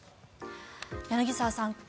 柳澤さん